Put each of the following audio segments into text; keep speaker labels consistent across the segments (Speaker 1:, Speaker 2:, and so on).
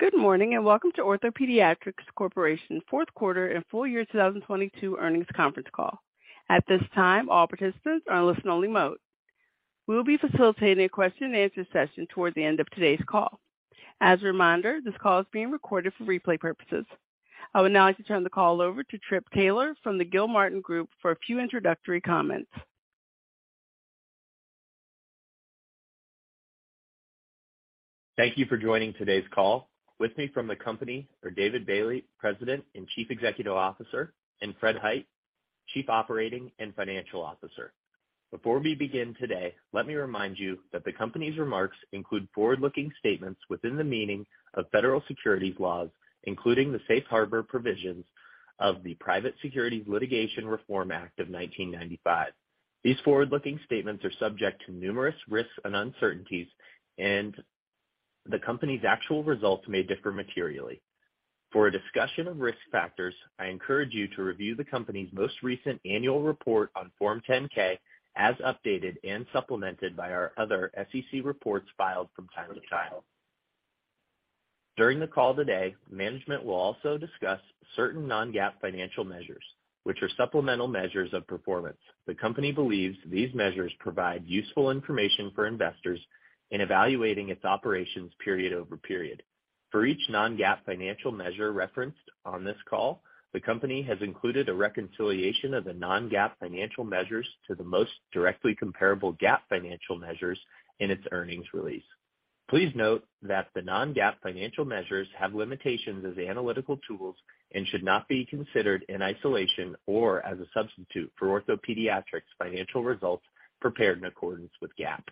Speaker 1: Good morning, welcome to OrthoPediatrics Corp fourth quarter and full year 2022 earnings conference call. At this time, all participants are in listen only mode. We'll be facilitating a question and answer session towards the end of today's call. As a reminder, this call is being recorded for replay purposes. I would now like to turn the call over to Philip Taylor from the Gilmartin Group for a few introductory comments.
Speaker 2: Thank you for joining today's call. With me from the company are David Bailey, President and Chief Executive Officer, and Fred Hite, Chief Operating and Financial Officer. Before we begin today, let me remind you that the company's remarks include forward-looking statements within the meaning of federal securities laws, including the Safe Harbor provisions of the Private Securities Litigation Reform Act of 1995. These forward-looking statements are subject to numerous risks and uncertainties, and the company's actual results may differ materially. For a discussion of risk factors, I encourage you to review the company's most recent annual report on Form 10-K as updated and supplemented by our other SEC reports filed from time to time. During the call today, management will also discuss certain non-GAAP financial measures, which are supplemental measures of performance. The company believes these measures provide useful information for investors in evaluating its operations period over period. For each non-GAAP financial measure referenced on this call, the company has included a reconciliation of the non-GAAP financial measures to the most directly comparable GAAP financial measures in its earnings release. Please note that the non-GAAP financial measures have limitations as analytical tools and should not be considered in isolation or as a substitute for OrthoPediatrics financial results prepared in accordance with GAAP.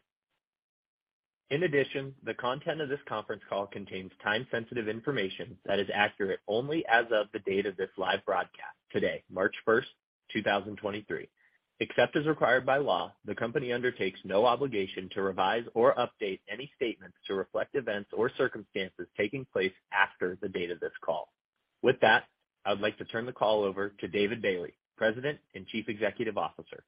Speaker 2: In addition, the content of this conference call contains time-sensitive information that is accurate only as of the date of this live broadcast, today, March 1, 2023. Except as required by law, the company undertakes no obligation to revise or update any statements to reflect events or circumstances taking place after the date of this call. With that, I would like to turn the call over to David Bailey, President and Chief Executive Officer.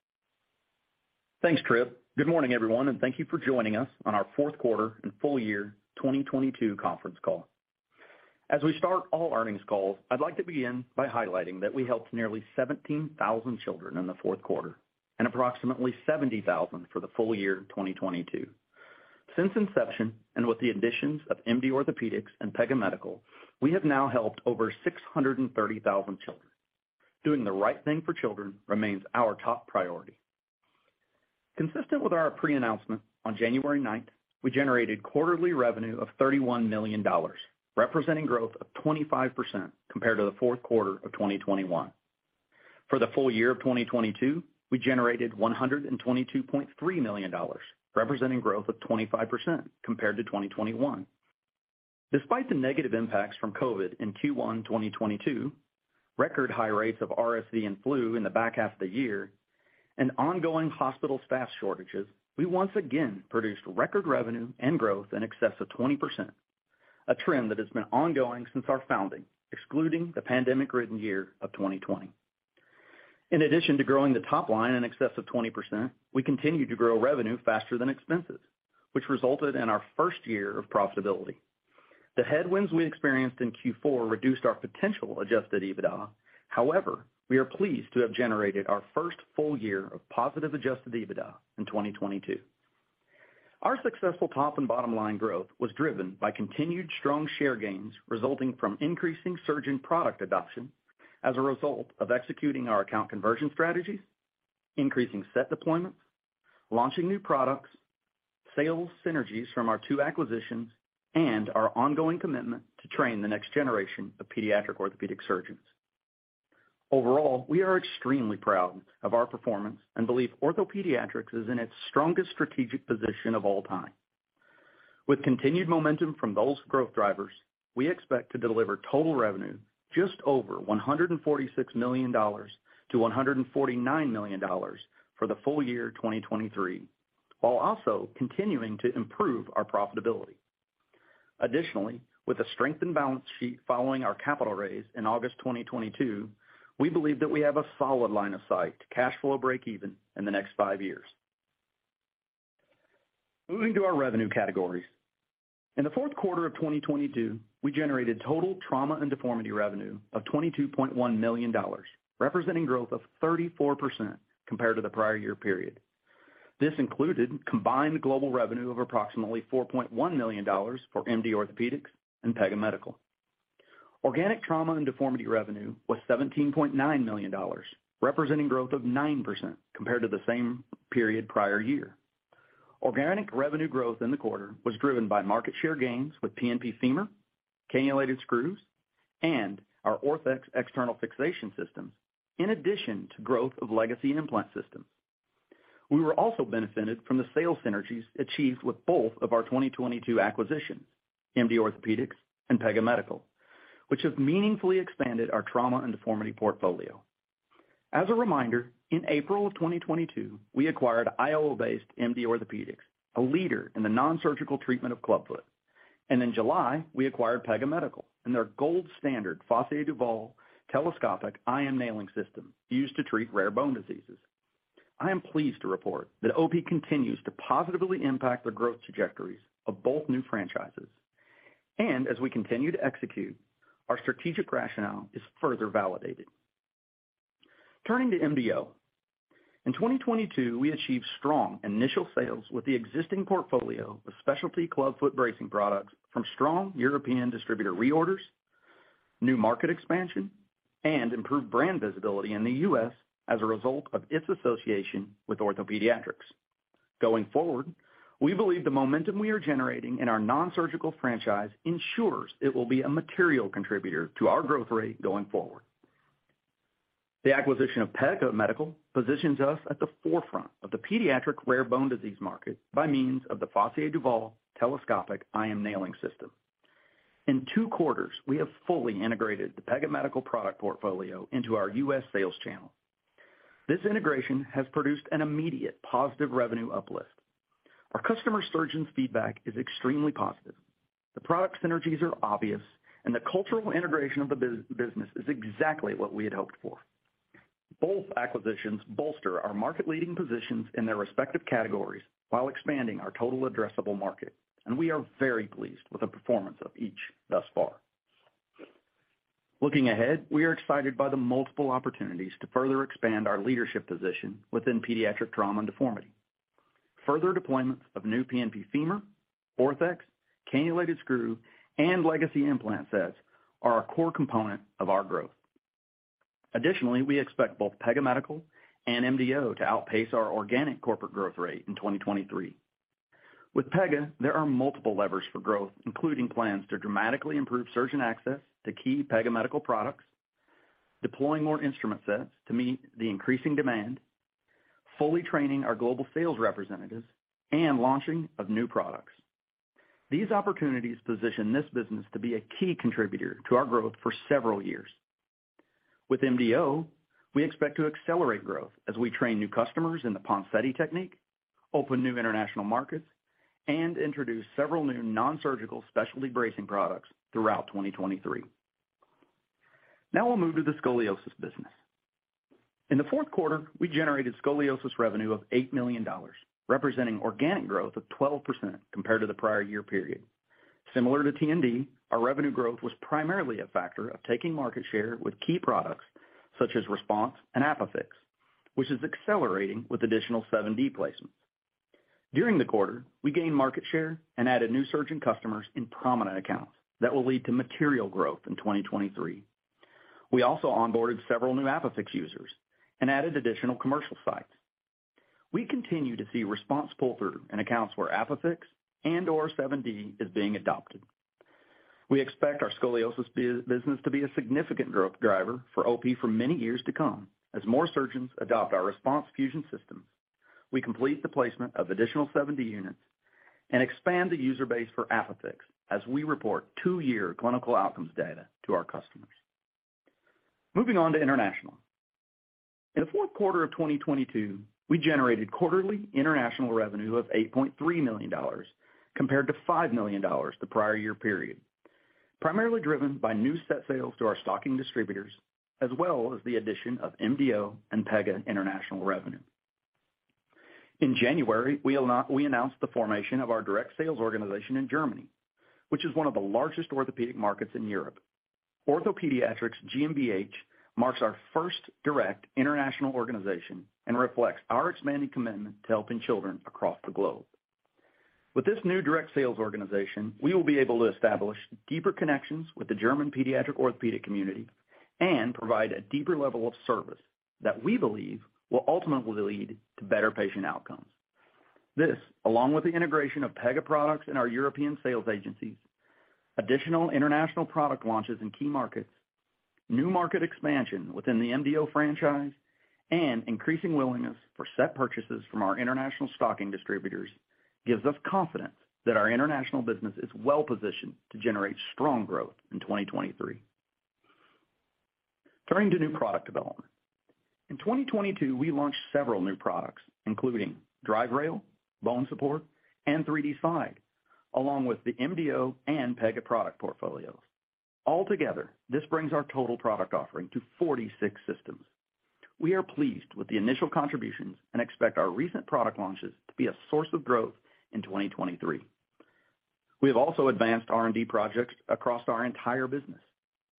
Speaker 3: Thanks, Philip. Good morning, everyone, thank you for joining us on our fourth quarter and full year 2022 conference call. As we start all earnings calls, I'd like to begin by highlighting that we helped nearly 17,000 children in the fourth quarter and approximately 70,000 for the full year 2022. Since inception, with the additions of MD Orthopaedics and Pega Medical, we have now helped over 630,000 children. Doing the right thing for children remains our top priority. Consistent with our pre-announcement on January ninth, we generated quarterly revenue of $31 million, representing growth of 25% compared to the fourth quarter of 2021. For the full year 2022, we generated $122.3 million, representing growth of 25% compared to 2021. Despite the negative impacts from COVID in Q1 2022, record high rates of RSV and flu in the back half of the year, and ongoing hospital staff shortages, we once again produced record revenue and growth in excess of 20%, a trend that has been ongoing since our founding, excluding the pandemic-ridden year of 2020. In addition to growing the top line in excess of 20%, we continued to grow revenue faster than expenses, which resulted in our first year of profitability. The headwinds we experienced in Q4 reduced our potential Adjusted EBITDA. However, we are pleased to have generated our first full year of positive Adjusted EBITDA in 2022. Our successful top and bottom line growth was driven by continued strong share gains resulting from increasing surgeon product adoption as a result of executing our account conversion strategies, increasing set deployments, launching new products, sales synergies from our two acquisitions, and our ongoing commitment to train the next generation of pediatric orthopedic surgeons. Overall, we are extremely proud of our performance and believe OrthoPediatrics is in its strongest strategic position of all time. With continued momentum from those growth drivers, we expect to deliver total revenue just over $146 million-$149 million for the full year 2023, while also continuing to improve our profitability. Additionally, with a strengthened balance sheet following our capital raise in August 2022, we believe that we have a solid line of sight to cash flow breakeven in the next five years. Moving to our revenue categories. In the fourth quarter of 2022, we generated total Trauma and Deformity revenue of $22.1 million, representing growth of 34% compared to the prior year period. This included combined global revenue of approximately $4.1 million for MD Orthopaedics and Pega Medical. Organic Trauma and Deformity revenue was $17.9 million, representing growth of 9% compared to the same period prior year. Organic revenue growth in the quarter was driven by market share gains with PNP|FEMUR, Cannulated Screws, and our Orthex external fixation systems, in addition to growth of Legacy Implant systems. We were also benefited from the sales synergies achieved with both of our 2022 acquisitions, MD Orthopaedics and Pega Medical, which have meaningfully expanded our Trauma and Deformity portfolio. As a reminder, in April of 2022, we acquired Iowa-based MD Orthopaedics, a leader in the non-surgical treatment of clubfoot. In July, we acquired Pega Medical and their gold standard Fassier-Duval Telescopic IM Nailing System used to treat rare bone diseases. I am pleased to report that OP continues to positively impact the growth trajectories of both new franchises. As we continue to execute, our strategic rationale is further validated. Turning to MDO. In 2022, we achieved strong initial sales with the existing portfolio of specialty clubfoot bracing products from strong European distributor reorders, new market expansion, and improved brand visibility in the U.S. as a result of its association with OrthoPediatrics. Going forward, we believe the momentum we are generating in our nonsurgical franchise ensures it will be a material contributor to our growth rate going forward. The acquisition of Pega Medical positions us at the forefront of the pediatric rare bone disease market by means of the Fassier-Duval Telescopic IM Nailing System. In two quarters, we have fully integrated the Pega Medical product portfolio into our U.S. sales channel. This integration has produced an immediate positive revenue uplift. Our customer surgeons' feedback is extremely positive. The product synergies are obvious and the cultural integration of the business is exactly what we had hoped for. We are very pleased with the performance of each thus far. Both acquisitions bolster our market leading positions in their respective categories while expanding our total addressable market. Looking ahead, we are excited by the multiple opportunities to further expand our leadership position within pediatric trauma and deformity. Further deployments of new PNP|FEMUR, Orthex, Cannulated Screw, and legacy implant sets are a core component of our growth. Additionally, we expect both Pega Medical and MDO to outpace our organic corporate growth rate in 2023. With Pega, there are multiple levers for growth, including plans to dramatically improve surgeon access to key Pega Medical products, deploying more instrument sets to meet the increasing demand, fully training our global sales representatives, and launching of new products. These opportunities position this business to be a key contributor to our growth for several years. With MDO, we expect to accelerate growth as we train new customers in the Ponseti technique, open new international markets, and introduce several new nonsurgical specialty bracing products throughout 2023. We'll move to the scoliosis business. In the fourth quarter, we generated scoliosis revenue of $8 million, representing organic growth of 12% compared to the prior year period. Similar to T&D, our revenue growth was primarily a factor of taking market share with key products such as RESPONSE and ApiFix, which is accelerating with additional 7D placements. During the quarter, we gained market share and added new surgeon customers in prominent accounts that will lead to material growth in 2023. We also onboarded several new ApiFix users and added additional commercial sites. We continue to see RESPONSE pull-through in accounts where ApiFix and or 7D is being adopted. We expect our scoliosis business to be a significant growth driver for OP for many years to come as more surgeons adopt our RESPONSE fusion systems. We complete the placement of additional 7D units and expand the user base for ApiFix as we report two-year clinical outcomes data to our customers. Moving on to international. In the fourth quarter of 2022, we generated quarterly international revenue of $8.3 million compared to $5 million the prior year period, primarily driven by new set sales to our stocking distributors as well as the addition of MDO and Pega International Revenue. In January, we announced the formation of our direct sales organization in Germany, which is one of the largest orthopedic markets in Europe. OrthoPediatrics GmbH marks our first direct international organization and reflects our expanding commitment to helping children across the globe. With this new direct sales organization, we will be able to establish deeper connections with the German pediatric orthopedic community and provide a deeper level of service that we believe will ultimately lead to better patient outcomes. This, along with the integration of Pega products in our European sales agencies, additional international product launches in key markets, new market expansion within the MDO franchise, and increasing willingness for set purchases from our international stocking distributors gives us confidence that our international business is well-positioned to generate strong growth in 2023. Turning to new product development. In 2022, we launched several new products, including DriveRail, Bone Support, and 3D Side, along with the MDO and Pega product portfolios. Altogether, this brings our total product offering to 46 systems. We are pleased with the initial contributions and expect our recent product launches to be a source of growth in 2023. We have also advanced R&D projects across our entire business.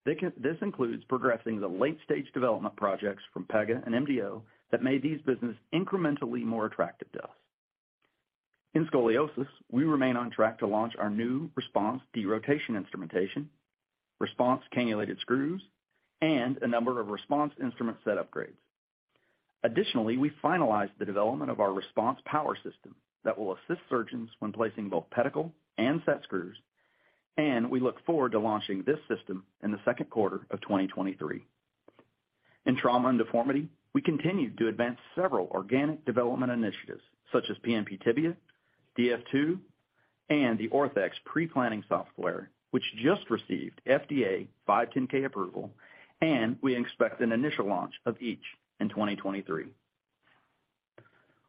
Speaker 3: This includes progressing the late-stage development projects from Pega and MDO that made these businesses incrementally more attractive to us. In scoliosis, we remain on track to launch our new RESPONSE Derotation Instrumentation, RESPONSE Cannulated Screws, and a number of RESPONSE instrument set upgrades. Additionally, we finalized the development of our RESPONSE Power System that will assist surgeons when placing both pedicle and set screws, and we look forward to launching this system in the second quarter of 2023. In Trauma and Deformity, we continued to advance several organic development initiatives such as PNP | Tibia, DF2, and the Orthex pre-planning software, which just received FDA 510(k) approval, and we expect an initial launch of each in 2023.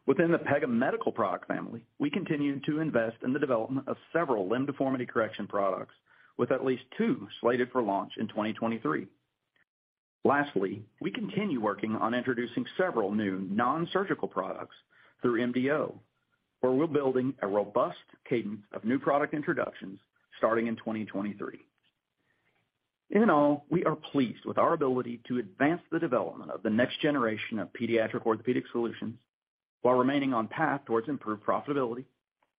Speaker 3: Within the Pega Medical product family, we continue to invest in the development of several limb deformity correction products with at least two slated for launch in 2023. Lastly, we continue working on introducing several new nonsurgical products through MDO, where we're building a robust cadence of new product introductions starting in 2023. In all, we are pleased with our ability to advance the development of the next generation of pediatric orthopedic solutions while remaining on path towards improved profitability.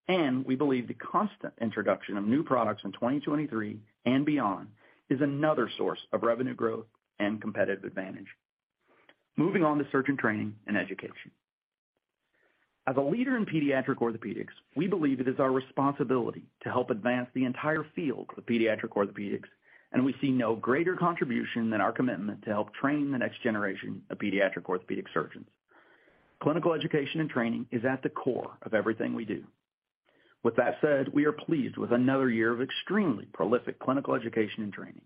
Speaker 3: We believe the constant introduction of new products in 2023 and beyond is another source of revenue growth and competitive advantage. Moving on to surgeon training and education. As a leader in pediatric orthopedics, we believe it is our responsibility to help advance the entire field of pediatric orthopedics, and we see no greater contribution than our commitment to help train the next generation of pediatric orthopedic surgeons. Clinical education and training is at the core of everything we do. With that said, we are pleased with another year of extremely prolific clinical education and training.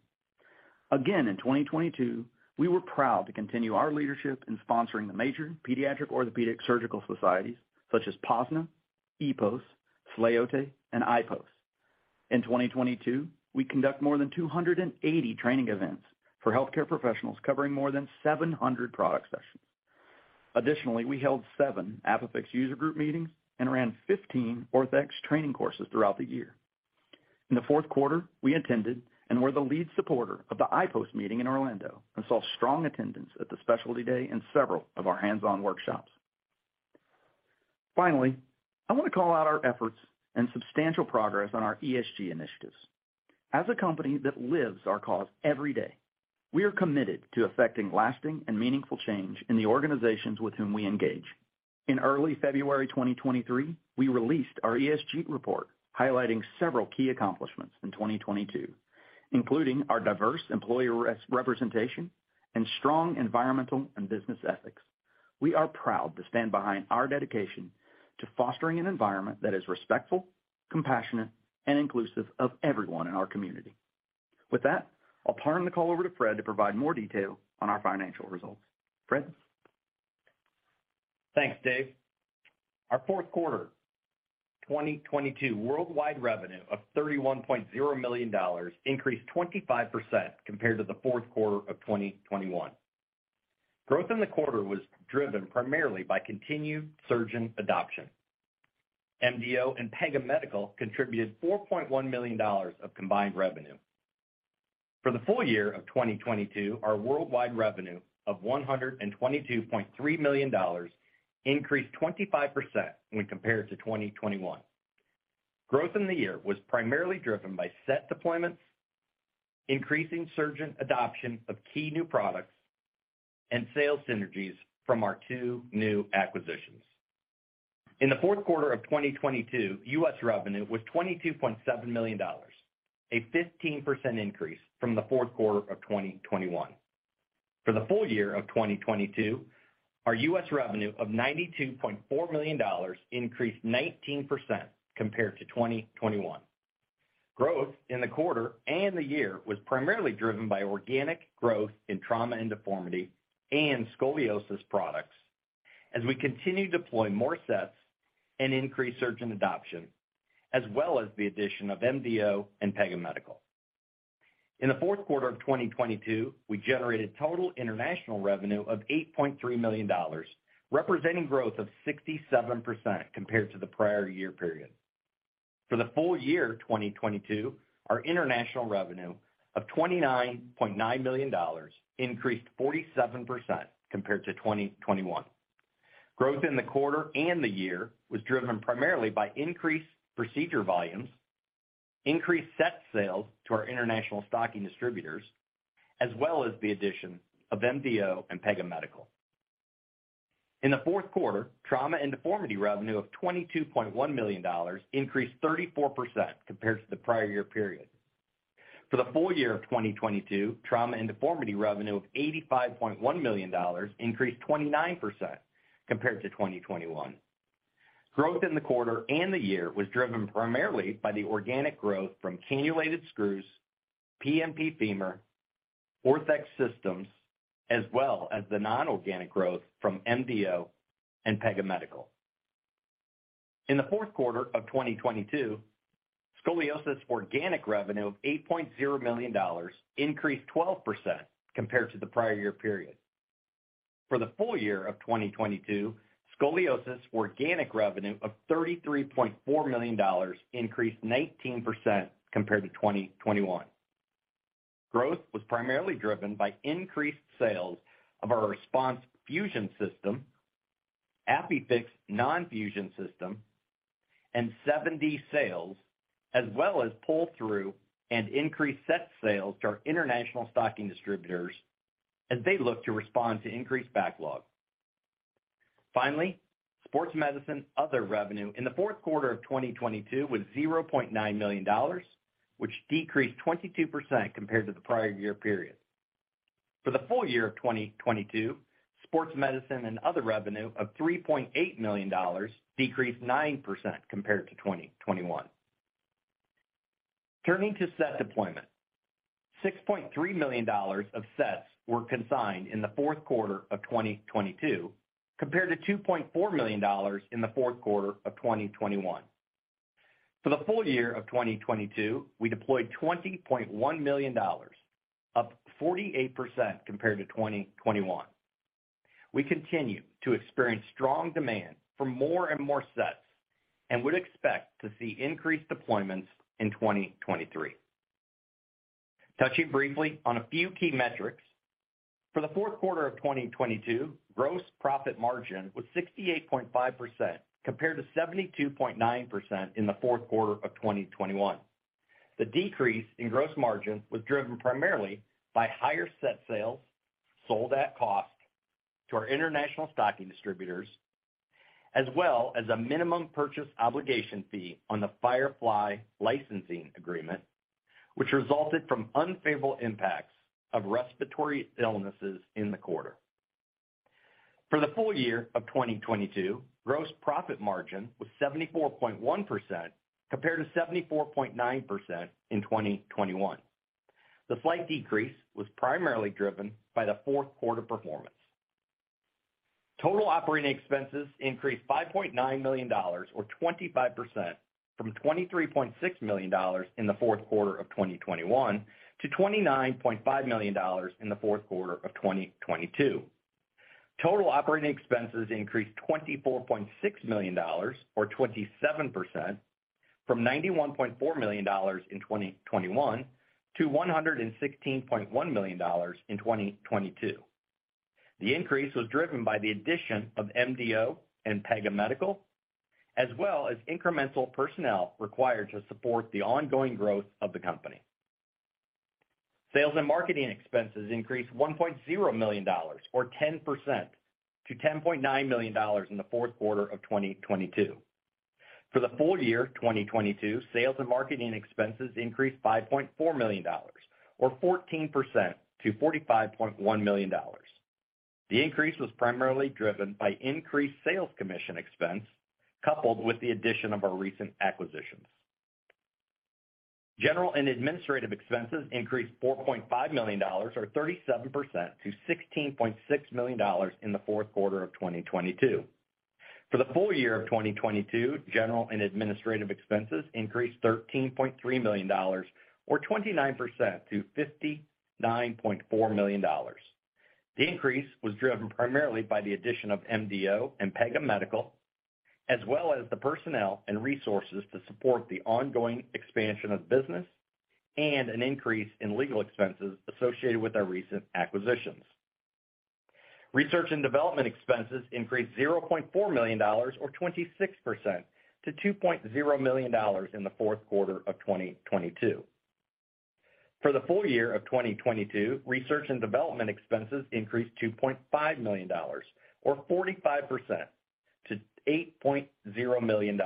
Speaker 3: Again, in 2022, we were proud to continue our leadership in sponsoring the major pediatric orthopedic surgical societies such as POSNA, EPOS, SLAOTI, and IPOS. In 2022, we conduct more than 280 training events for healthcare professionals covering more than 700 product sessions. Additionally, we held seven ApiFix user group meetings and ran 15 Orthex training courses throughout the year. In the fourth quarter, we attended and were the lead supporter of the IPOS meeting in Orlando and saw strong attendance at the specialty day in several of our hands-on workshops. Finally, I want to call out our efforts and substantial progress on our ESG initiatives. As a company that lives our cause every day, we are committed to affecting lasting and meaningful change in the organizations with whom we engage. In early February 2023, we released our ESG report highlighting several key accomplishments in 2022, including our diverse employee representation and strong environmental and business ethics. We are proud to stand behind our dedication to fostering an environment that is respectful, compassionate, and inclusive of everyone in our community. I'll turn the call over to Fred to provide more detail on our financial results. Fred?
Speaker 4: Thanks, Dave. Our fourth quarter 2022 worldwide revenue of $31.0 million increased 25% compared to the fourth quarter of 2021. Growth in the quarter was driven primarily by continued surgeon adoption. MDO and Pega Medical contributed $4.1 million of combined revenue. For the full year of 2022, our worldwide revenue of $122.3 million increased 25% when compared to 2021. Growth in the year was primarily driven by set deployments, increasing surgeon adoption of key new products, and sales synergies from our two new acquisitions. In the fourth quarter of 2022, U.S. revenue was $22.7 million, a 15% increase from the fourth quarter of 2021. For the full year of 2022, our U.S. revenue of $92.4 million increased 19% compared to 2021. Growth in the quarter and the year was primarily driven by organic growth in Trauma and Deformity and scoliosis products as we continue to deploy more sets and increase surgeon adoption, as well as the addition of MDO and Pega Medical. In the fourth quarter of 2022, we generated total international revenue of $8.3 million, representing growth of 67% compared to the prior year period. For the full year 2022, our international revenue of $29.9 million increased 47% compared to 2021. Growth in the quarter and the year was driven primarily by increased procedure volumes, increased set sales to our international stocking distributors, as well as the addition of MDO and Pega Medical. In the fourth quarter, Trauma and Deformity revenue of $22.1 million increased 34% compared to the prior year period. For the full year of 2022, Trauma and Deformity revenue of $85.1 million increased 29% compared to 2021. Growth in the quarter and the year was driven primarily by the organic growth from Cannulated Screws, PNP|FEMUR, Orthex systems, as well as the nonorganic growth from MDO and Pega Medical. In the fourth quarter of 2022, scoliosis organic revenue of $8.0 million increased 12% compared to the prior year period. For the full year of 2022, scoliosis organic revenue of $33.4 million increased 19% compared to 2021. Growth was primarily driven by increased sales of our RESPONSE fusion system, ApiFix non-fusion system, and 7D sales, as well as pull-through and increased set sales to our international stocking distributors as they look to respond to increased backlog. Sports medicine other revenue in the fourth quarter of 2022 was $0.9 million, which decreased 22% compared to the prior year period. For the full year of 2022, sports medicine and other revenue of $3.8 million decreased 9% compared to 2021. Turning to set deployment. $6.3 million of sets were consigned in the fourth quarter of 2022, compared to $2.4 million in the fourth quarter of 2021. For the full year of 2022, we deployed $20.1 million, up 48% compared to 2021. We continue to experience strong demand for more and more sets, would expect to see increased deployments in 2023. Touching briefly on a few key metrics. For the fourth quarter of 2022, gross profit margin was 68.5% compared to 72.9% in the fourth quarter of 2021. The decrease in gross margin was driven primarily by higher set sales sold at cost to our international stocking distributors, as well as a minimum purchase obligation fee on the FIREFLY licensing agreement, which resulted from unfavorable impacts of respiratory illnesses in the quarter. For the full year of 2022, gross profit margin was 74.1% compared to 74.9% in 2021. The slight decrease was primarily driven by the fourth quarter performance. Total operating expenses increased $5.9 million or 25% from $23.6 million in the fourth quarter of 2021 to $29.5 million in the fourth quarter of 2022. Total operating expenses increased $24.6 million or 27% from $91.4 million in 2021 to $116.1 million in 2022. The increase was driven by the addition of MDO and Pega Medical, as well as incremental personnel required to support the ongoing growth of the company. Sales and marketing expenses increased $1.0 million or 10% to $10.9 million in the fourth quarter of 2022. For the full year 2022, sales and marketing expenses increased $5.4 million or 14% to $45.1 million. The increase was primarily driven by increased sales commission expense, coupled with the addition of our recent acquisitions. General and administrative expenses increased $4.5 million or 37% to $16.6 million in the fourth quarter of 2022. For the full year of 2022, general and administrative expenses increased $13.3 million or 29% to $59.4 million. The increase was driven primarily by the addition of MDO and Pega Medical, as well as the personnel and resources to support the ongoing expansion of business and an increase in legal expenses associated with our recent acquisitions. Research and development expenses increased $0.4 million or 26% to $2.0 million in the fourth quarter of 2022. For the full year of 2022, research and development expenses increased $2.5 million or 45% to $8.0 million.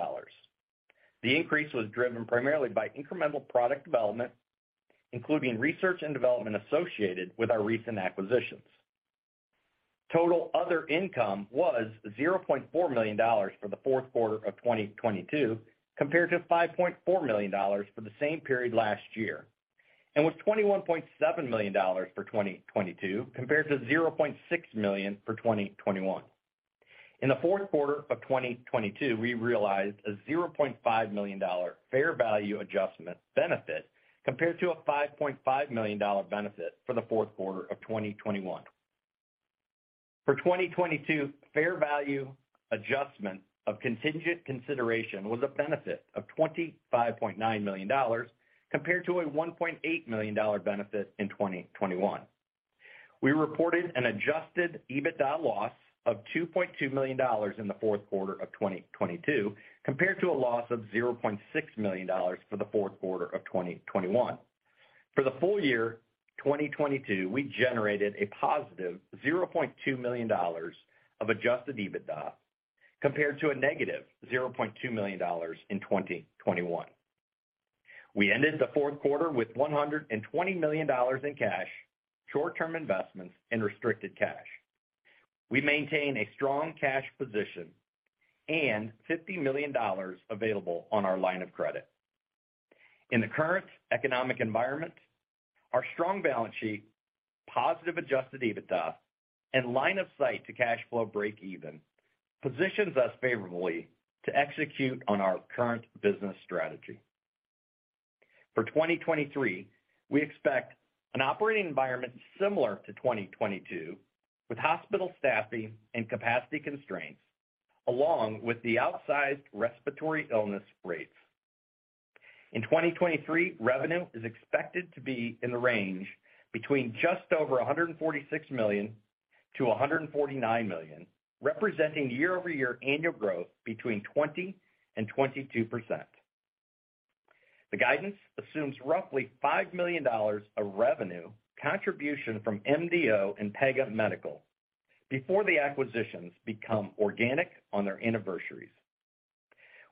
Speaker 4: The increase was driven primarily by incremental product development, including research and development associated with our recent acquisitions. Total other income was $0.4 million for the fourth quarter of 2022, compared to $5.4 million for the same period last year, and was $21.7 million for 2022 compared to $0.6 million for 2021. In the fourth quarter of 2022, we realized a $0.5 million fair value adjustment benefit, compared to a $5.5 million benefit for the fourth quarter of 2021. For 2022, fair value adjustment of contingent consideration was a benefit of $25.9 million compared to a $1.8 million benefit in 2021. We reported an Adjusted EBITDA loss of $2.2 million in the fourth quarter of 2022, compared to a loss of $0.6 million for the fourth quarter of 2021. For the full year 2022, we generated a positive $0.2 million of Adjusted EBITDA, compared to a negative $0.2 million in 2021. We ended the fourth quarter with $120 million in cash, short-term investments, and restricted cash. We maintain a strong cash position and $50 million available on our line of credit. In the current economic environment, our strong balance sheet, positive Adjusted EBITDA, and line of sight to cash flow break even positions us favorably to execute on our current business strategy. For 2023, we expect an operating environment similar to 2022, with hospital staffing and capacity constraints, along with the outsized respiratory illness rates. In 2023, revenue is expected to be in the range between just over $146 million-$149 million, representing year-over-year annual growth between 20% and 22%. The guidance assumes roughly $5 million of revenue contribution from MDO and Pega Medical before the acquisitions become organic on their anniversaries.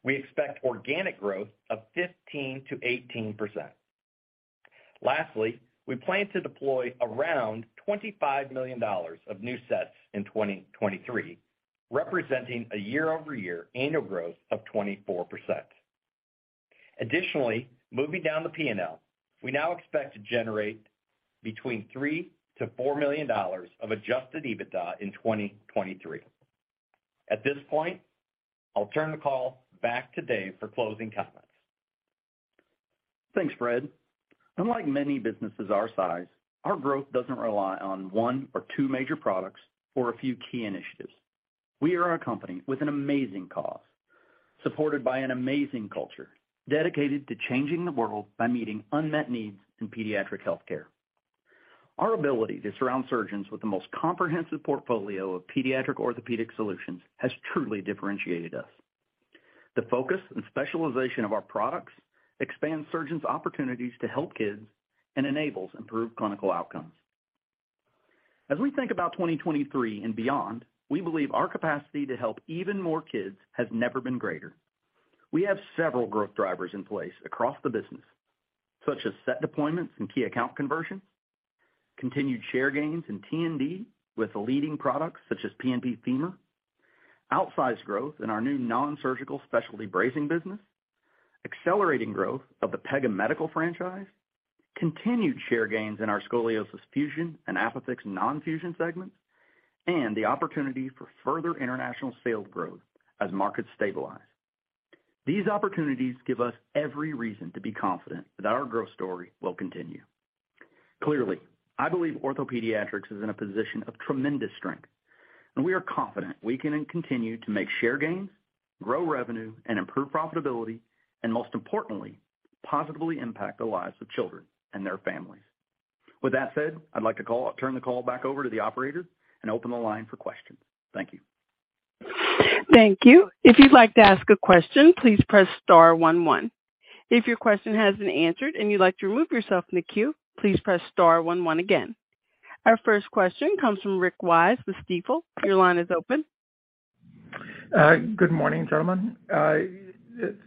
Speaker 4: We expect organic growth of 15%-18%. Lastly, we plan to deploy around $25 million of new sets in 2023, representing a year-over-year annual growth of 24%. Additionally, moving down the P&L, we now expect to generate between $3 million-$4 million of Adjusted EBITDA in 2023. At this point, I'll turn the call back to Dave for closing comments.
Speaker 3: Thanks, Fred. Unlike many businesses our size, our growth doesn't rely on one or two major products or a few key initiatives. We are a company with an amazing cause, supported by an amazing culture dedicated to changing the world by meeting unmet needs in pediatric health care. Our ability to surround surgeons with the most comprehensive portfolio of pediatric orthopedic solutions has truly differentiated us. The focus and specialization of our products expands surgeons opportunities to help kids and enables improved clinical outcomes. As we think about 2023 and beyond, we believe our capacity to help even more kids has never been greater. We have several growth drivers in place across the business, such as set deployments and key account conversions, continued share gains in T&D with leading products such as PNP|FEMUR, outsized growth in our new non-surgical specialty bracing business, accelerating growth of the Pega Medical franchise, continued share gains in our scoliosis fusion and ApiFix non-fusion segments, and the opportunity for further international sales growth as markets stabilize. These opportunities give us every reason to be confident that our growth story will continue. Clearly, I believe OrthoPediatrics is in a position of tremendous strength, and we are confident we can continue to make share gains, grow revenue, and improve profitability, and most importantly, positively impact the lives of children and their families. With that said, I'd like to turn the call back over to the operator and open the line for questions. Thank you.
Speaker 1: Thank you. If you'd like to ask a question, please press star one one. If your question has been answered and you'd like to remove yourself from the queue, please press star one one again. Our first question comes from Rick Wise with Stifel. Your line is open.
Speaker 5: Good morning, gentlemen.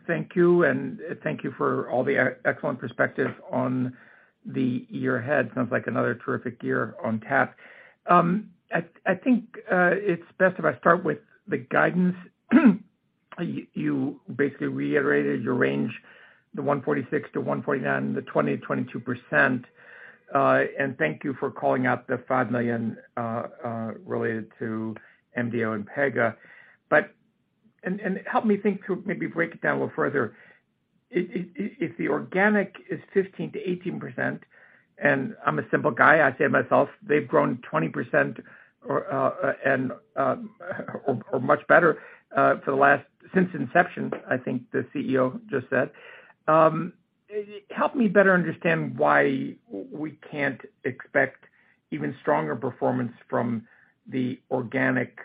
Speaker 5: Thank you, and thank you for all the excellent perspective on the year ahead. Sounds like another terrific year on tap. I think it's best if I start with the guidance. You basically reiterated your range, the $146 million-$149 million, the 20%-22%. Thank you for calling out the $5 million related to MDO and Pega. Help me think to maybe break it down a little further. If the organic is 15%-18%, I'm a simple guy, I say to myself, they've grown 20% or much better since inception, I think the CEO just said. Help me better understand why we can't expect even stronger performance from the organic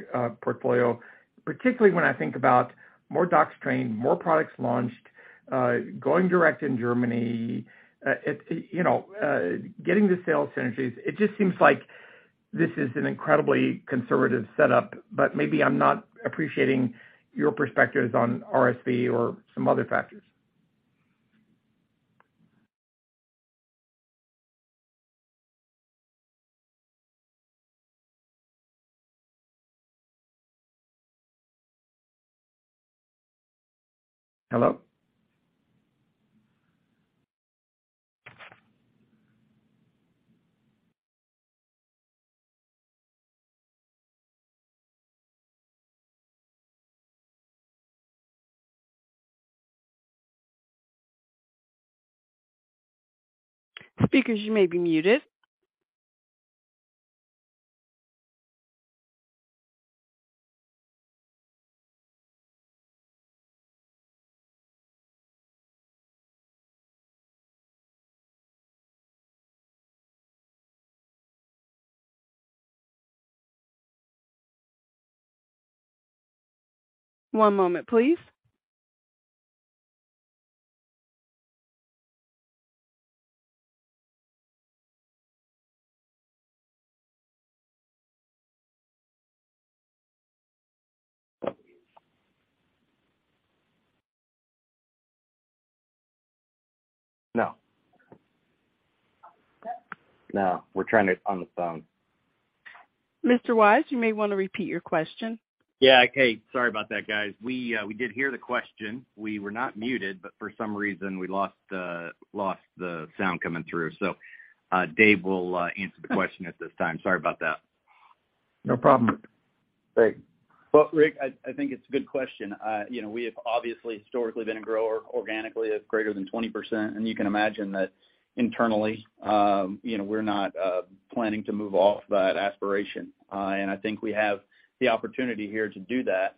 Speaker 5: portfolio, particularly when I think about more docs trained, more products launched, going direct in Germany, it's, you know, getting the sales synergies. It just seems like this is an incredibly conservative setup. Maybe I'm not appreciating your perspectives on RSV or some other factors. Hello?
Speaker 1: Speakers, you may be muted. One moment, please.
Speaker 4: No. No, we're trying to. On the phone.
Speaker 1: Mr. Wise, you may want to repeat your question.
Speaker 4: Yeah. Okay, sorry about that, guys. We, we did hear the question. We were not muted, but for some reason, we lost the sound coming through. Dave will answer the question at this time. Sorry about that.
Speaker 5: No problem.
Speaker 4: Great.
Speaker 3: Well, Rick, I think it's a good question. You know, we have obviously historically been a grower organically of greater than 20%, and you can imagine that internally, you know, we're not planning to move off that aspiration. I think we have the opportunity here to do that.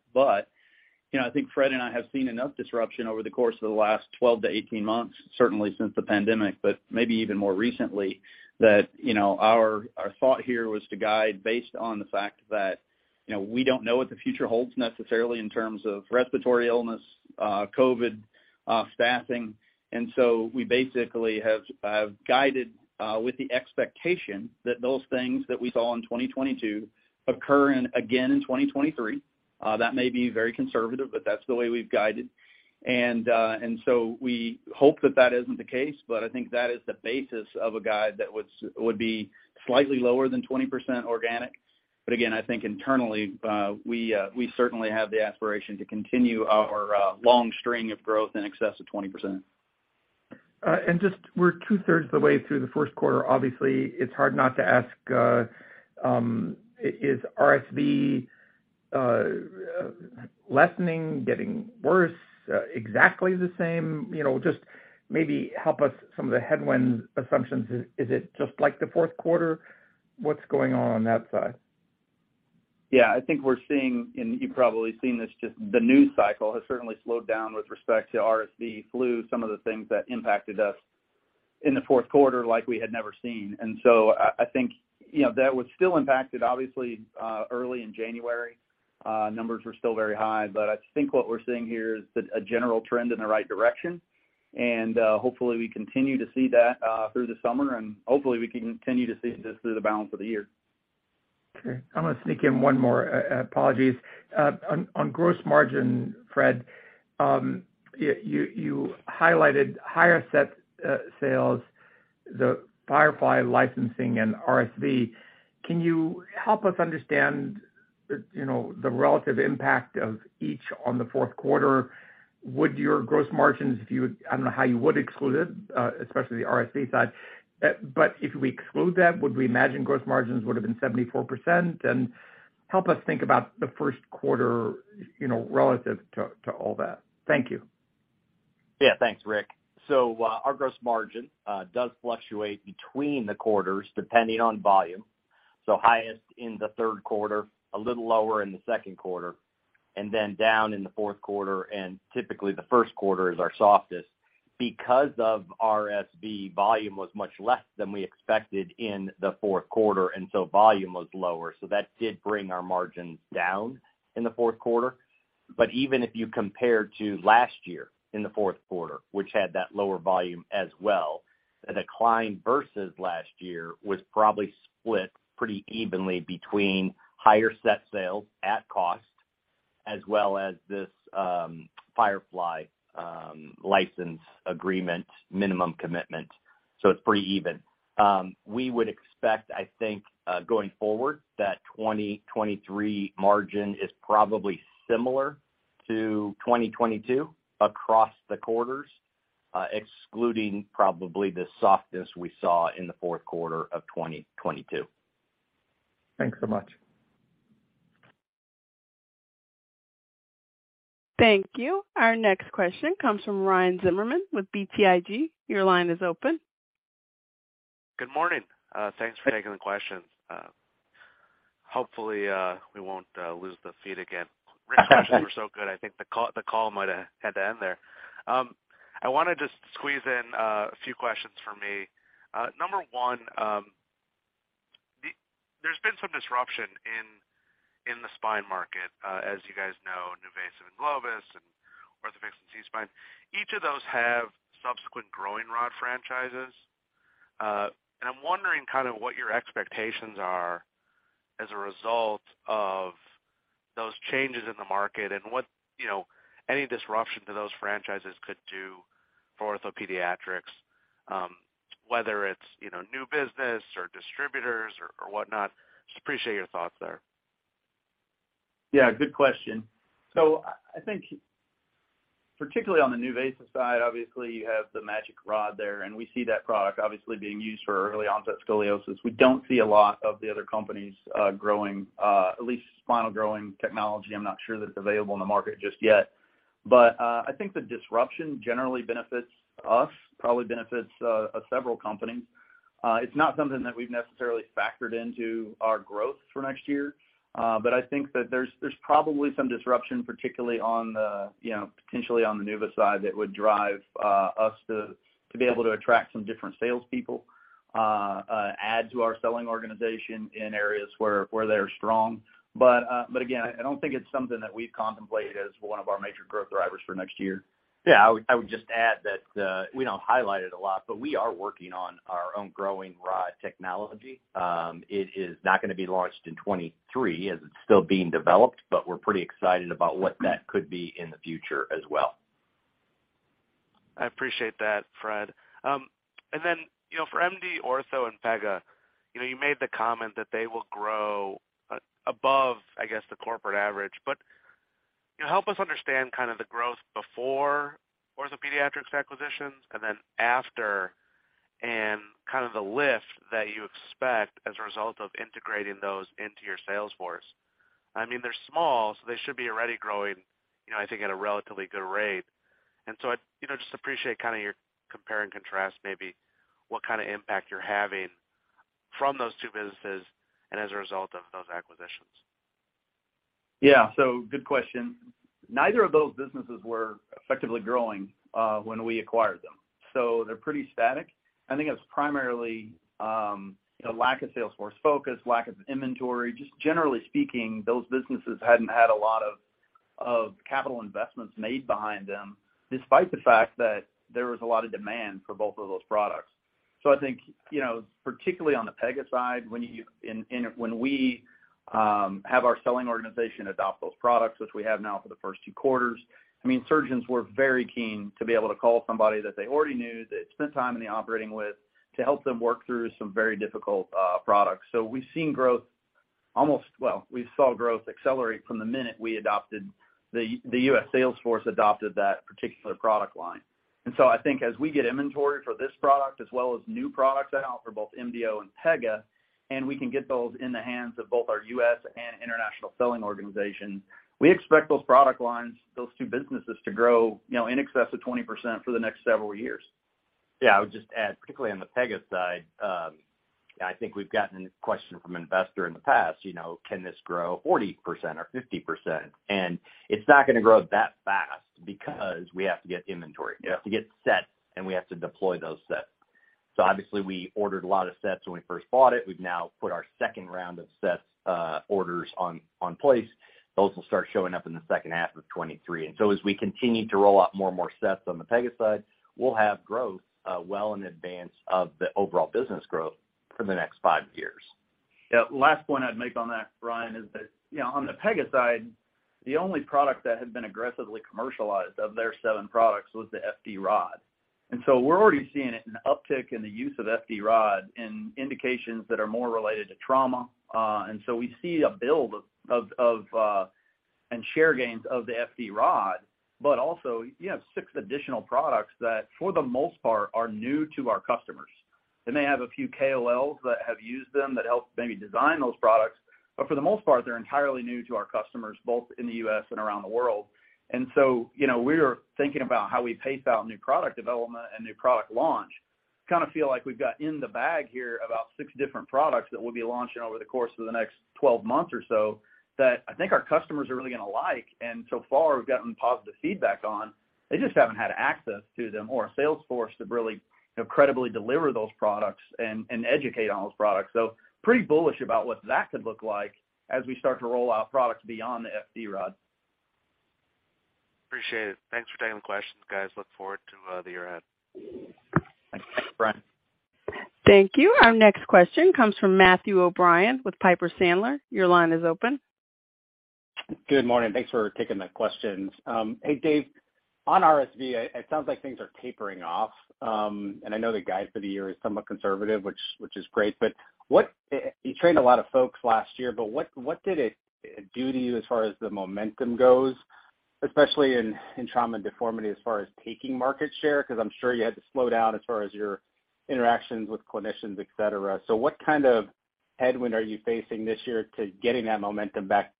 Speaker 3: You know, I think Fred and I have seen enough disruption over the course of the last 12-18 months, certainly since the pandemic, but maybe even more recently, that, you know, our thought here was to guide based on the fact that, you know, we don't know what the future holds necessarily in terms of respiratory illness, COVID, staffing. We basically have guided with the expectation that those things that we saw in 2022 occur in again in 2023. That may be very conservative, but that's the way we've guided. We hope that that isn't the case, but I think that is the basis of a guide would be slightly lower than 20% organic. I think internally, we certainly have the aspiration to continue our long string of growth in excess of 20%.
Speaker 5: Just we're two-thirds of the way through the first quarter. Obviously, it's hard not to ask, is RSV lessening, getting worse, exactly the same? You know, just maybe help us some of the headwind assumptions. Is it just like the fourth quarter? What's going on on that side?
Speaker 3: Yeah, I think we're seeing, and you've probably seen this, just the news cycle has certainly slowed down with respect to RSV, flu, some of the things that impacted us in the fourth quarter like we had never seen. I think, you know, that would still impacted, obviously, early in January. Numbers were still very high. I think what we're seeing here is a general trend in the right direction. Hopefully we continue to see that through the summer, and hopefully we can continue to see this through the balance of the year.
Speaker 5: Okay. I'm gonna sneak in one more. Apologies. On gross margin, Fred, you highlighted higher set sales, the Firefly licensing and RSV. Can you help us understand, you know, the relative impact of each on the fourth quarter? Would your gross margins, if I don't know how you would exclude it, especially the RSV side. If we exclude that, would we imagine gross margins would have been 74%? Help us think about the first quarter, you know, relative to all that. Thank you.
Speaker 4: Yeah. Thanks, Rick. Our gross margin does fluctuate between the quarters depending on volume, highest in the third quarter, a little lower in the second quarter, and then down in the fourth quarter, and typically the first quarter is our softest. Because of RSV, volume was much less than we expected in the fourth quarter, volume was lower. That did bring our margins down in the fourth quarter. Even if you compare to last year in the fourth quarter, which had that lower volume as well, the decline versus last year was probably split pretty evenly between higher set sales at cost as well as this FIREFLY license agreement minimum commitment. It's pretty even. We would expect, I think, going forward that 2023 margin is probably similar to 2022 across the quarters, excluding probably the softness we saw in the fourth quarter of 2022.
Speaker 5: Thanks so much.
Speaker 1: Thank you. Our next question comes from Ryan Zimmerman with BTIG. Your line is open.
Speaker 6: Good morning. Thanks for taking the questions. Hopefully, we won't lose the feed again. Rick's questions were so good, I think the call might had to end there. I wanna just squeeze in a few questions from me. Number one, there's been some disruption in the spine market. As you guys know, NuVasive and Globus Medical and Orthofix Medical and SeaSpine. Each of those have subsequent growing rod franchises. I'm wondering kind of what your expectations are as a result of those changes in the market and what, you know, any disruption to those franchises could do for OrthoPediatrics, whether it's, you know, new business or distributors or whatnot. Just appreciate your thoughts there.
Speaker 3: Yeah, good question. I think particularly on the NuVasive side, you have the MAGEC rod there, and we see that product being used for Early Onset Scoliosis. We don't see a lot of the other companies growing, at least spinal growing technology. I'm not sure that it's available in the market just yet. I think the disruption generally benefits us, probably benefits several companies. It's not something that we've necessarily factored into our growth for next year. I think that there's probably some disruption, particularly on the potentially on the NuVa side that would drive us to be able to attract some different salespeople, add to our selling organization in areas where they're strong. Again, I don't think it's something that we've contemplated as one of our major growth drivers for next year.
Speaker 4: Yeah, I would just add that, we don't highlight it a lot, but we are working on our own growing rod technology. It is not going to be launched in 23 as it's still being developed, but we're pretty excited about what that could be in the future as well.
Speaker 6: I appreciate that, Fred. Then, you know, for MD Orthopaedics and Pega, you know, you made the comment that they will grow above, I guess, the corporate average. You know, help us understand kind of the growth before OrthoPediatrics acquisitions and then after, and kind of the lift that you expect as a result of integrating those into your sales force. I mean, they're small, so they should be already growing, you know, I think at a relatively good rate. So, you know, just appreciate kind of your compare and contrast, maybe what kind of impact you're having from those two businesses and as a result of those acquisitions.
Speaker 3: Yeah. Good question. Neither of those businesses were effectively growing when we acquired them. They're pretty static. I think it was primarily, you know, lack of sales force focus, lack of inventory. Just generally speaking, those businesses hadn't had a lot of capital investments made behind them, despite the fact that there was a lot of demand for both of those products. I think, you know, particularly on the Pega side, when we have our selling organization adopt those products, which we have now for the first two quarters, I mean, surgeons were very keen to be able to call somebody that they already knew, that spent time in the operating with to help them work through some very difficult products. We've seen growth almost... We saw growth accelerate from the minute we adopted the U.S. sales force adopted that particular product line. I think as we get inventory for this product as well as new products out for both MDO and Pega, and we can get those in the hands of both our U.S. and international selling organization, we expect those product lines, those two businesses to grow, you know, in excess of 20% for the next several years.
Speaker 4: Yeah. I would just add, particularly on the Pega side, I think we've gotten a question from investor in the past, you know, can this grow 40% or 50%? It's not gonna grow that fast because we have to get inventory.
Speaker 3: Yeah.
Speaker 4: We have to get sets, and we have to deploy those sets. Obviously, we ordered a lot of sets when we first bought it. We've now put our second round of sets, orders on place. Those will start showing up in the second half of 2023. As we continue to roll out more and more sets on the Pega side, we'll have growth, well in advance of the overall business growth for the next five years.
Speaker 3: Last point I'd make on that, Ryan, is that, you know, on the Pega side, the only product that had been aggressively commercialized of their seven products was the FD-rod. We're already seeing an uptick in the use of FD-rod in indications that are more related to trauma. So we see a build of, and share gains of the FD-rod, but also you have six additional products that, for the most part, are new to our customers. They may have a few KOLs that have used them that helped maybe design those products, but for the most part, they're entirely new to our customers, both in the U.S. and around the world. So, you know, we're thinking about how we pace out new product development and new product launch. Kinda feel like we've got in the bag here about six different products that we'll be launching over the course of the next 12 months or so that I think our customers are really gonna like, and so far we've gotten positive feedback on. They just haven't had access to them or a sales force to really, you know, credibly deliver those products and educate on those products. Pretty bullish about what that could look like as we start to roll out products beyond the FD-rod.
Speaker 6: Appreciate it. Thanks for taking the questions, guys. Look forward to the year ahead.
Speaker 3: Thanks.
Speaker 1: Thank you. Our next question comes from Matthew O'Brien with Piper Sandler. Your line is open.
Speaker 7: Good morning. Thanks for taking the questions. Hey, Dave, on RSV, it sounds like things are tapering off. I know the guide for the year is somewhat conservative, which is great, but what you trained a lot of folks last year, but what did it do to you as far as the momentum goes, especially in Trauma and Deformity as far as taking market share? 'Cause I'm sure you had to slow down as far as your interactions with clinicians, et cetera. What kind of headwind are you facing this year to getting that momentum back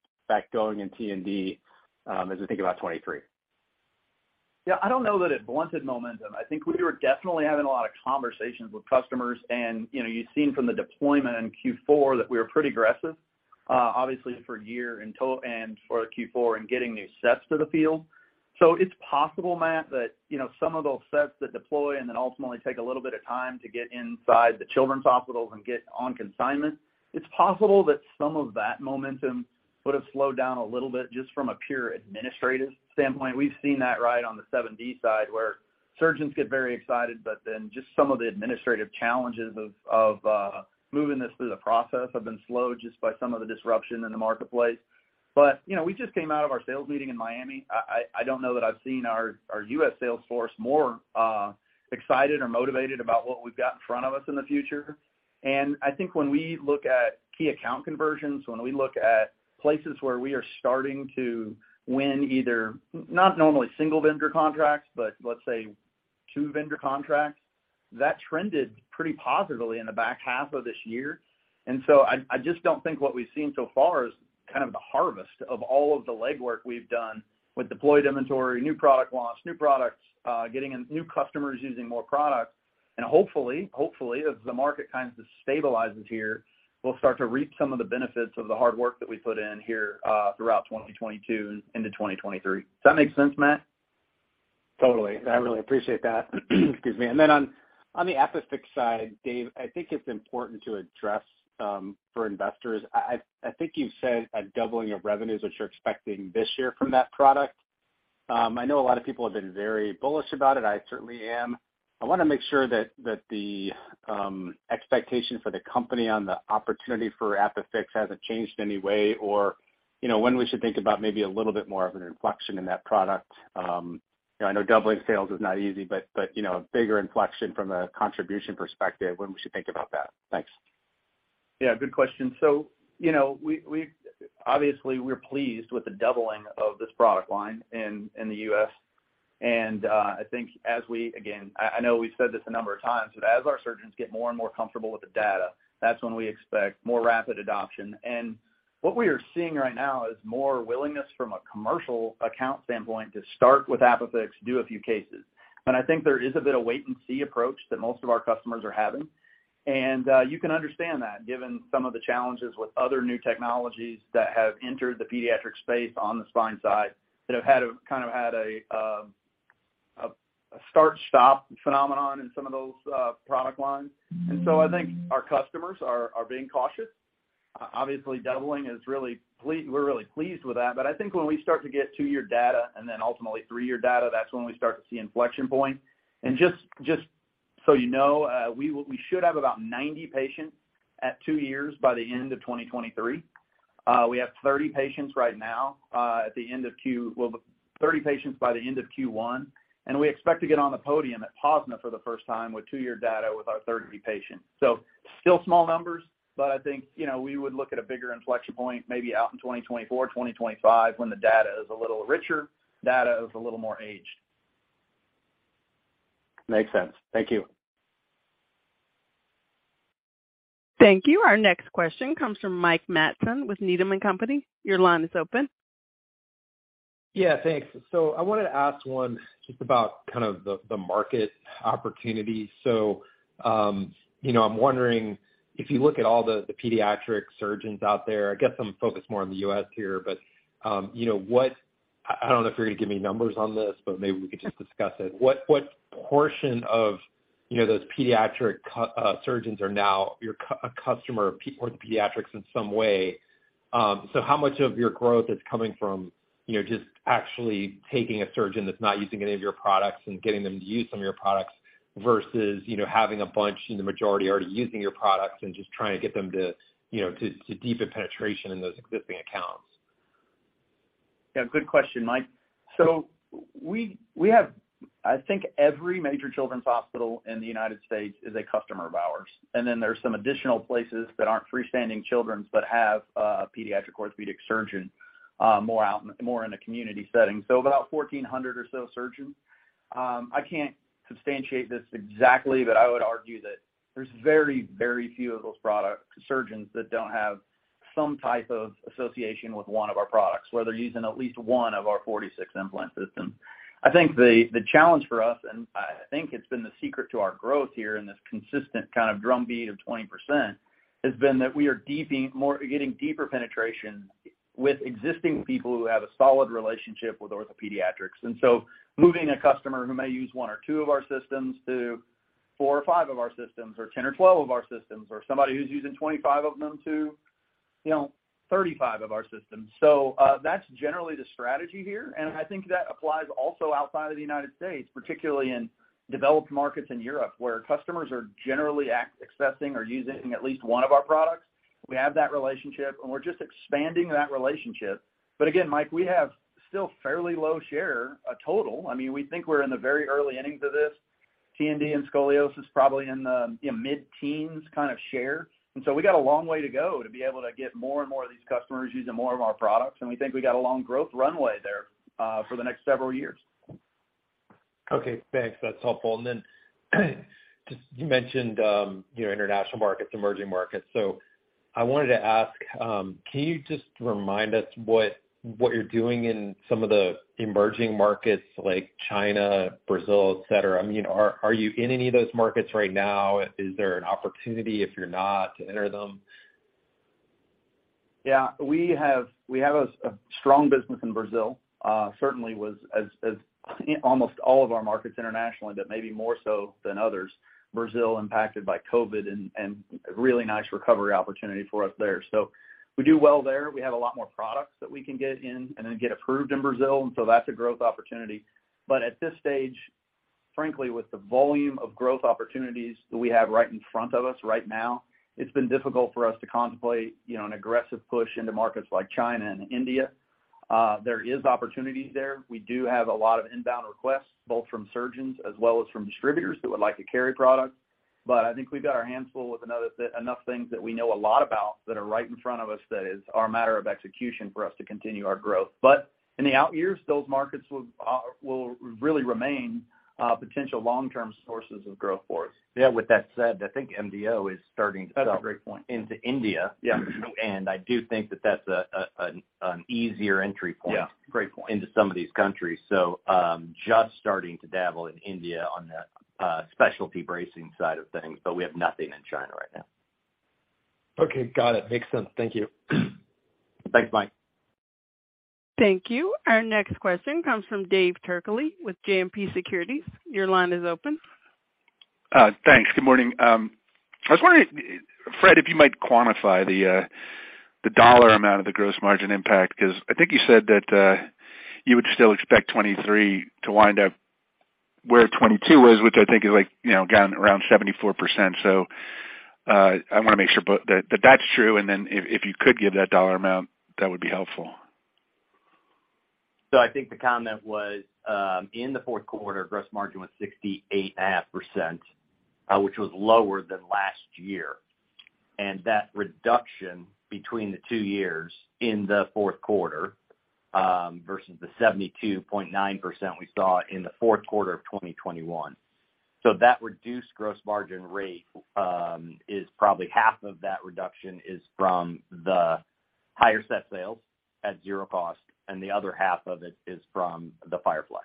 Speaker 7: going in T&D as we think about 2023?
Speaker 3: I don't know that it blunted momentum. I think we were definitely having a lot of conversations with customers, and, you know, you've seen from the deployment in Q4 that we were pretty aggressive, obviously for year and for Q4 in getting new sets to the field. It's possible, Matt, that, you know, some of those sets that deploy and then ultimately take a little bit of time to get inside the children's hospitals and get on consignment, it's possible that some of that momentum would've slowed down a little bit just from a pure administrative standpoint. We've seen that right on the 7D side, where surgeons get very excited, but then just some of the administrative challenges of moving this through the process have been slowed just by some of the disruption in the marketplace. You know, we just came out of our sales meeting in Miami. I don't know that I've seen our U.S. sales force more excited or motivated about what we've got in front of us in the future. I think when we look at key account conversions, when we look at places where we are starting to win either, not normally single vendor contracts, but let's say two vendor contracts, that trended pretty positively in the back half of this year. I just don't think what we've seen so far is kind of the harvest of all of the legwork we've done with deployed inventory, new product launch, new products, getting in new customers using more products. hopefully, as the market kind of stabilizes here, we'll start to reap some of the benefits of the hard work that we put in here, throughout 2022 into 2023. Does that make sense, Matt?
Speaker 7: Totally. I really appreciate that. Excuse me. Then on the ApiFix side, Dave, I think it's important to address, for investors. I think you've said a doubling of revenues, which you're expecting this year from that product. I know a lot of people have been very bullish about it. I certainly am. I wanna make sure that the expectation for the company on the opportunity for ApiFix hasn't changed in any way or, you know, when we should think about maybe a little bit more of an inflection in that product. You know, I know doubling sales is not easy, but, you know, a bigger inflection from a contribution perspective, when we should think about that. Thanks.
Speaker 3: Yeah, good question. you know, obviously, we're pleased with the doubling of this product line in the U.S. Again, I know we've said this a number of times, but as our surgeons get more and more comfortable with the data, that's when we expect more rapid adoption. What we are seeing right now is more willingness from a commercial account standpoint to start with ApiFix, do a few cases. I think there is a bit of wait and see approach that most of our customers are having. You can understand that given some of the challenges with other new technologies that have entered the pediatric space on the spine side that have had a start stop phenomenon in some of those product lines. I think our customers are being cautious. Obviously, we're really pleased with that. I think when we start to get two-year data and then ultimately three-year data, that's when we start to see inflection point. Just so you know, we should have about 90 patients at two years by the end of 2023. We have 30 patients right now at the end of Q1, and we expect to get on the podium at POSNA for the first time with two-year data with our 30th patient. Still small numbers, I think, you know, we would look at a bigger inflection point maybe out in 2024, 2025, when the data is a little richer, data is a little more aged.
Speaker 7: Makes sense. Thank you.
Speaker 1: Thank you. Our next question comes from Mike Matson with Needham & Company. Your line is open.
Speaker 8: Yeah, thanks. I wanted to ask one just about kind of the market opportunity. You know, I'm wondering if you look at all the pediatric surgeons out there, I guess I'm focused more on the U.S. here, but, you know what... I don't know if you're gonna give me numbers on this, but maybe we could just discuss it. What portion of, you know, those pediatric surgeons are now your a customer of OrthoPediatrics in some way? How much of your growth is coming from, you know, just actually taking a surgeon that's not using any of your products and getting them to use some of your products versus, you know, having a bunch and the majority already using your products and just trying to get them to, you know, to deepen penetration in those existing accounts?
Speaker 3: Good question, Mike. I think every major children's hospital in the United States is a customer of ours, and then there's some additional places that aren't freestanding children's, but have a pediatric orthopedic surgeon, more in a community setting. About 1,400 or so surgeons. I can't substantiate this exactly, but I would argue that there's very, very few of those surgeons that don't have some type of association with one of our products, where they're using at least one of our 46 implant systems. I think the challenge for us, and I think it's been the secret to our growth here in this consistent kind of drumbeat of 20%, has been that we are getting deeper penetration with existing people who have a solid relationship with OrthoPediatrics. Moving a customer who may use one or two of our systems to four or five of our systems or 10 or 12 of our systems or somebody who's using 25 of them to, you know, 35 of our systems. That's generally the strategy here, and I think that applies also outside of the United States, particularly in developed markets in Europe, where customers are generally accessing or using at least one of our products. We have that relationship, and we're just expanding that relationship. Again, Mike, we have still fairly low share total. I mean, we think we're in the very early innings of this. T&D and scoliosis probably in the, you know, mid-teens kind of share. We got a long way to go to be able to get more and more of these customers using more of our products, and we think we got a long growth runway there, for the next several years.
Speaker 8: Okay, thanks. That's helpful. Just you mentioned, you know, international markets, emerging markets. I wanted to ask, can you just remind us what you're doing in some of the emerging markets like China, Brazil, et cetera? Are you in any of those markets right now? Is there an opportunity if you're not to enter them?
Speaker 3: Yeah. We have a strong business in Brazil. certainly was as almost all of our markets internationally, but maybe more so than others, Brazil impacted by COVID and really nice recovery opportunity for us there. we do well there. We have a lot more products that we can get in and then get approved in Brazil, that's a growth opportunity. at this stage, frankly, with the volume of growth opportunities that we have right in front of us right now, it's been difficult for us to contemplate, you know, an aggressive push into markets like China and India. there is opportunity there. We do have a lot of inbound requests, both from surgeons as well as from distributors who would like to carry products. I think we've got our hands full with another enough things that we know a lot about that are right in front of us that is, are a matter of execution for us to continue our growth. In the out years, those markets will really remain potential long-term sources of growth for us.
Speaker 4: Yeah, with that said, I think MDO is starting to.
Speaker 3: That's a great point.
Speaker 4: into India.
Speaker 3: Yeah.
Speaker 4: I do think that that's an easier entry point.
Speaker 3: Yeah. Great point.
Speaker 4: into some of these countries. Just starting to dabble in India on the specialty bracing side of things, but we have nothing in China right now.
Speaker 8: Okay, got it. Makes sense. Thank you.
Speaker 4: Thanks, Mike.
Speaker 1: Thank you. Our next question comes from David Turkaly with JMP Securities. Your line is open.
Speaker 9: Thanks. Good morning. I was wondering, Fred, if you might quantify the dollar amount of the gross margin impact, 'cause I think you said that you would still expect 23 to wind up where 22 was, which I think is like, you know, again, around 74%. I wanna make sure that's true. Then if you could give that dollar amount, that would be helpful.
Speaker 4: I think the comment was, in the fourth quarter, gross margin was 68.5%, which was lower than last year. That reduction between the two years in the fourth quarter, versus the 72.9% we saw in the fourth quarter of 2021. That reduced gross margin rate is probably half of that reduction is from the higher set sales at zero cost, and the other half of it is from the FIREFLY.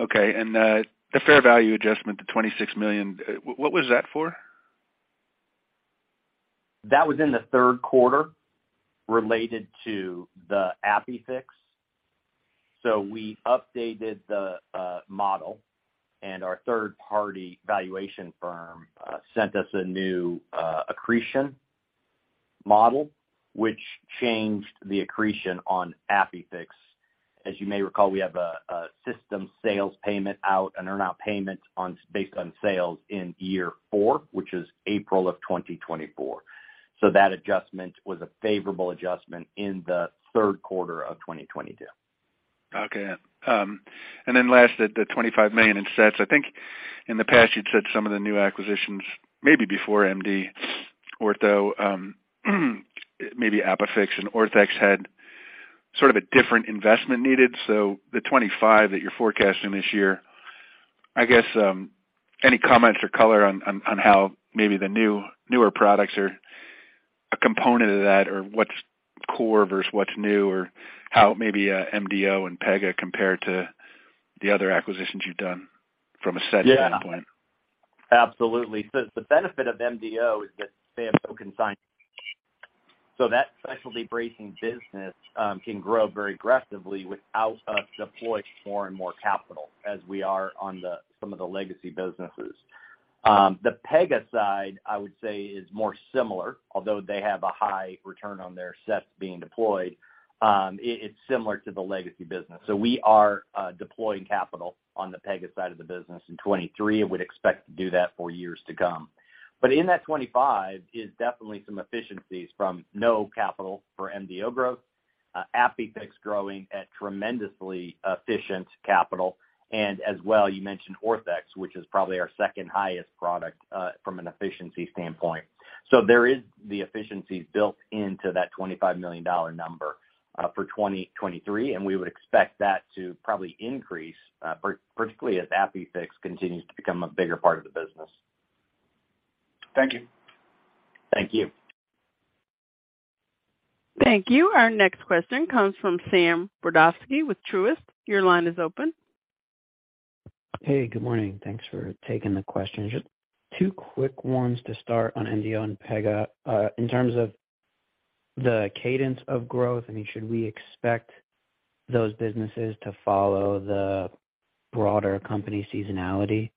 Speaker 9: Okay. the fair value adjustment to $26 million, what was that for?
Speaker 3: That was in the third quarter related to the ApiFix. We updated the model, and our third-party valuation firm sent us a new accretion model, which changed the accretion on ApiFix. As you may recall, we have a system sales payment out, an earn-out payment based on sales in year four, which is April of 2024. That adjustment was a favorable adjustment in the third quarter of 2022.
Speaker 9: Okay. Then last, the $25 million in sets. I think in the past you'd said some of the new acquisitions, maybe before MD Orthopaedics, maybe ApiFix and Orthex had sort of a different investment needed. The $25 million that you're forecasting this year, I guess, any comments or color on how maybe the newer products are a component of that or what's core versus what's new, or how maybe MDO and Pega Medical compare to the other acquisitions you've done from a set standpoint?
Speaker 3: Absolutely. The benefit of MDO is that they have no consign. That specialty bracing business can grow very aggressively without us deploying more and more capital as we are on some of the legacy businesses. The Pega side, I would say, is more similar. Although they have a high return on their sets being deployed, it's similar to the legacy business. We are deploying capital on the Pega side of the business in 23 and would expect to do that for years to come. In that 25 is definitely some efficiencies from no capital for MDO growth, ApiFix growing at tremendously efficient capital, and as well, you mentioned Orthex, which is probably our second highest product from an efficiency standpoint. There is the efficiencies built into that $25 million number for 2023, and we would expect that to probably increase, particularly as ApiFix continues to become a bigger part of the business.
Speaker 9: Thank you.
Speaker 3: Thank you.
Speaker 1: Thank you. Our next question comes from Sam Brodovsky with Truist. Your line is open.
Speaker 10: Hey, good morning. Thanks for taking the question. Just two quick ones to start on MDO and Pega. In terms of the cadence of growth, I mean, should we expect those businesses to follow the broader company seasonality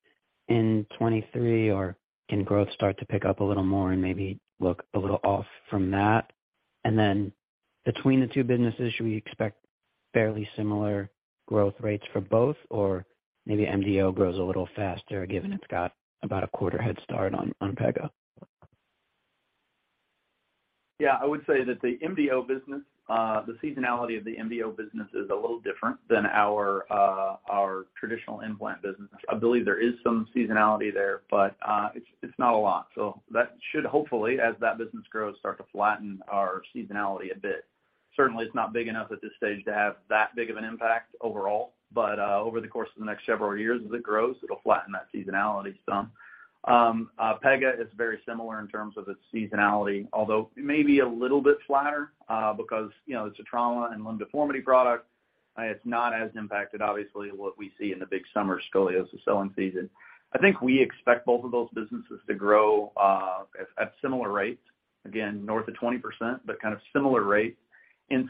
Speaker 10: in 2023, or can growth start to pick up a little more and maybe look a little off from that? Then between the two businesses, should we expect fairly similar growth rates for both, or maybe MDO grows a little faster, given it's got about a quarter head start on Pega?
Speaker 3: Yeah. I would say that the MDO business, the seasonality of the MDO business is a little different than our traditional implant business. I believe there is some seasonality there, but it's not a lot. That should hopefully, as that business grows, start to flatten our seasonality a bit. Certainly, it's not big enough at this stage to have that big of an impact overall, but over the course of the next several years as it grows, it'll flatten that seasonality some. Pega is very similar in terms of its seasonality, although it may be a little bit flatter, because, you know, it's a trauma and limb deformity product, it's not as impacted obviously what we see in the big summer scoliosis selling season. I think we expect both of those businesses to grow at similar rates, again, north of 20%, but kind of similar rates.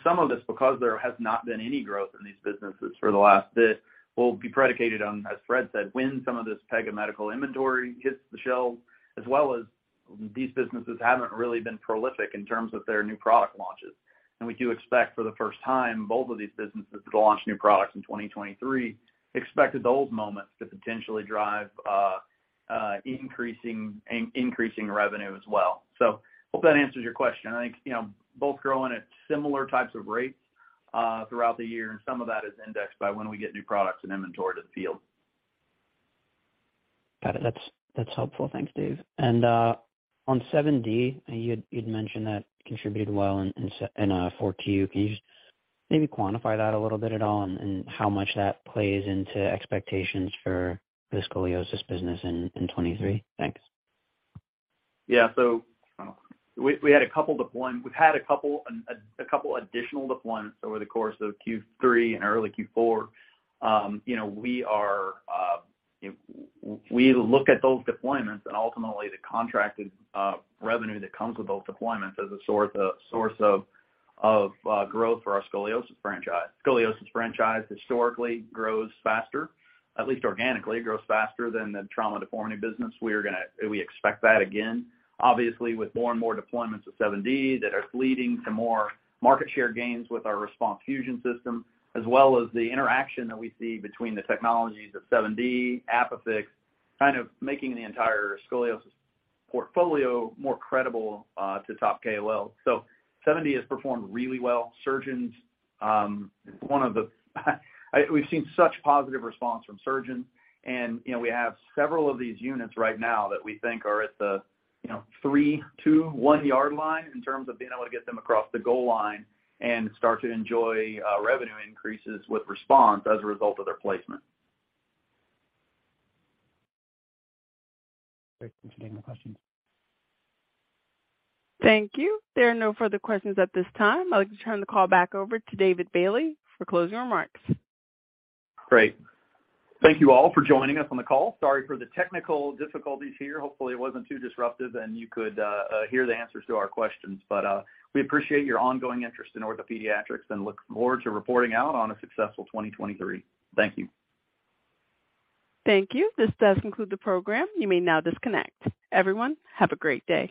Speaker 3: Some of this because there has not been any growth in these businesses for the last bit, will be predicated on, as Fred said, when some of this Pega Medical inventory hits the shelves, as well as these businesses haven't really been prolific in terms of their new product launches. We do expect for the first time, both of these businesses to launch new products in 2023, expect those moments to potentially drive increasing revenue as well. Hope that answers your question. I think, you know, both growing at similar types of rates throughout the year, and some of that is indexed by when we get new products and inventory to the field.
Speaker 10: Got it. That's helpful. Thanks, Dave. On 7D, you'd mentioned that contributed well in four Q. Can you just maybe quantify that a little bit at all and how much that plays into expectations for the scoliosis business in 2023? Thanks.
Speaker 3: Yeah. We, we had a couple we've had a couple a couple additional deployments over the course of Q3 and early Q4. You know, we are, you know we look at those deployments and ultimately the contracted revenue that comes with those deployments as a source of growth for our scoliosis franchise. Scoliosis franchise historically grows faster, at least organically, it grows faster than the Trauma and Deformity business. We expect that again. Obviously, with more and more deployments of 7D that are leading to more market share gains with our RESPONSE fusion system, as well as the interaction that we see between the technologies of 7D, ApiFix, kind of making the entire scoliosis portfolio more credible to top KOLs. 7D has performed really well. Surgeons, one of the... We've seen such positive RESPONSE from surgeons and, you know, we have several of these units right now that we think are at the, you know, three, two, one yard line in terms of being able to get them across the goal line and start to enjoy revenue increases with RESPONSE as a result of their placement.
Speaker 10: Great. Thank you for taking the question.
Speaker 1: Thank you. There are no further questions at this time. I'd like to turn the call back over to David Bailey for closing remarks.
Speaker 3: Great. Thank you all for joining us on the call. Sorry for the technical difficulties here. Hopefully, it wasn't too disruptive and you could hear the answers to our questions. We appreciate your ongoing interest in OrthoPediatrics and look forward to reporting out on a successful 2023. Thank you.
Speaker 1: Thank you. This does conclude the program. You may now disconnect. Everyone, have a great day.